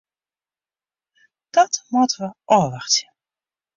Dat moatte we ôfwachtsje.